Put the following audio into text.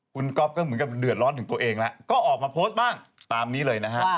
คุณก๊อฟก็เหมือนกับเดือดร้อนถึงตัวเองแล้วก็ออกมาโพสต์บ้างตามนี้เลยนะฮะ